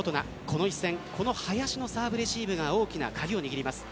この一戦、この林のサーブレシーブが大きな鍵を握ります。